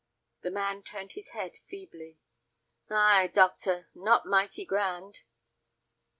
The man turned his head feebly. "Ay, doctor, not mighty grand."